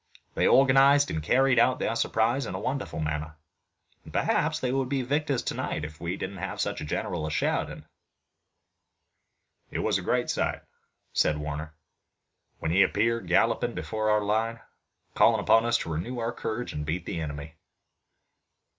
They organized and carried out their surprise in a wonderful manner, and perhaps they would be the victors tonight if we didn't have such a general as Sheridan." "It was a great sight," said Warner, "when he appeared, galloping before our line, calling upon us to renew our courage and beat the enemy."